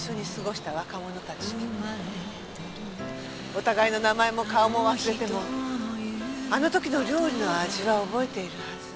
お互いの名前も顔も忘れてもあの時の料理の味は覚えているはず。